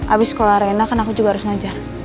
abis sekolah arena kan aku juga harus ngajar